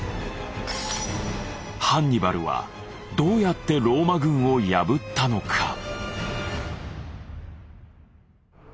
ハンニバルはどうやってローマ軍を破ったのか？